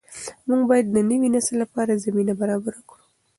موږ باید د نوي نسل لپاره زمینه برابره کړو.